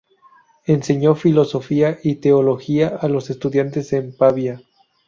Enseñó filosofía y teología a los estudiantes en Pavia.